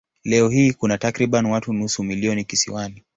Leo hii kuna takriban watu nusu milioni kisiwani.